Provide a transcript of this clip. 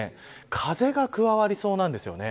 風が加わりそうなんです。